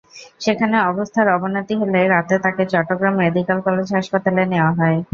সেখানে অবস্থার অবনতি হলে রাতে তাঁকে চট্টগ্রাম মেডিকেল কলেজ হাসপাতালে নেওয়া হয়।